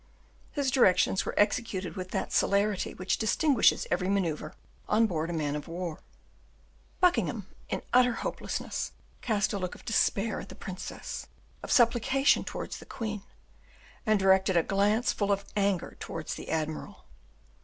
His directions were executed with that celerity which distinguishes every maneuver on board a man of war. Buckingham, in utter hopelessness, cast a look of despair at the princess, of supplication towards the queen, and directed a glance full of anger towards the admiral.